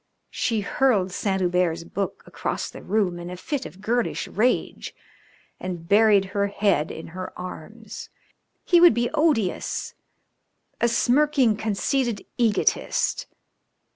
She hurled Saint Hubert's book across the room in a fit of girlish rage and buried her head in her arms. He would be odious a smirking, conceited egotist!